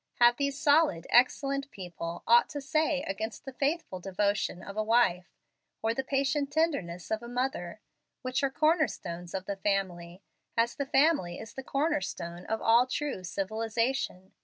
Have these solid, excellent people aught to say against the faithful devotion of a wife, or the patient tenderness of a mother, which are corner stones of the family, as the family is the corner stone of all true civilization?